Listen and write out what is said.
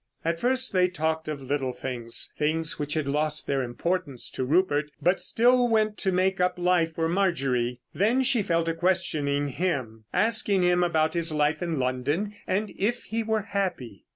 At first they talked of little things, things which had lost their importance to Rupert, but still went to make up life for Marjorie. Then she fell to questioning him, asking him about his life in London, and if he were happy.